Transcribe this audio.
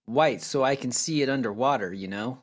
White, so I can see it under water, you know.